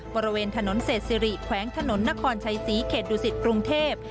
บริเวณถนนเศษสิริแขวงถนนนครชัยศรีเขตดุสิตกรุงเทพ